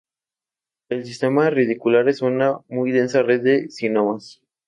El sistema radicular es una muy densa red de rizomas.